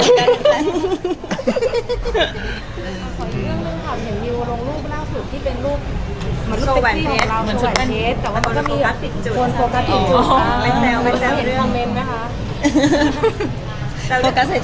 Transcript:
กับครีมทาอะไรอย่างเงี้ย